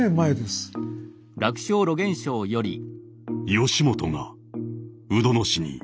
「義元が鵜殿氏に」。